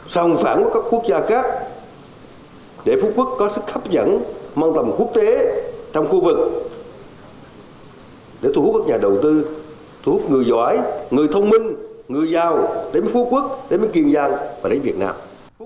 sòng phẳng với các quốc gia khác để phú quốc có sức hấp dẫn mang tầm quốc tế trong khu vực để thu hút các nhà đầu tư thu hút người giỏi người thông minh người giao đến phú quốc đến với kiên giang và đến việt nam